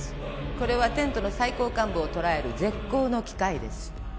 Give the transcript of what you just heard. これはテントの最高幹部を捕らえる絶好の機会です